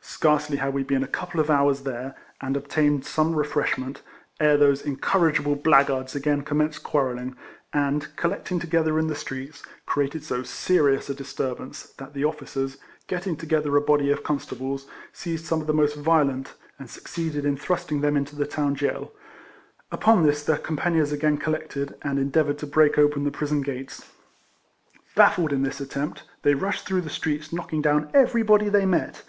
Scarcely had we been a couple of hours there, and obtained some refreshment, ere these incorrigible blackguards again com menced quarrelling, and, collecting together in the streets, created so serious a disturbance that the officers, getting together a body of constables, seized some of the most violent and succeeded in thrusting them into the town jail; upon this their companions again collected, and endeavoured to break open the prison gates. Baffled in this attempt, they rushed through the streets knocking down every body they met.